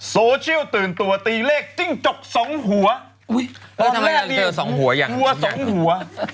โซเชียลตื่นตัวตีเลขจริงจกสองหัวอุ้ยสองหัวอย่างหัวสองหัว